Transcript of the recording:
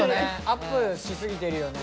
アップし過ぎてるよね。